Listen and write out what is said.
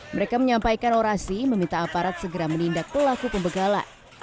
mereka menyampaikan orasi meminta aparat segera menindak pelaku pembegalan